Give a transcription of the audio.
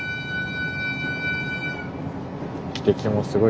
汽笛もすごい。